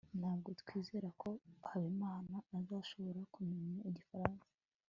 ntabwo twizera ko habimana azashobora kumenya igifaransa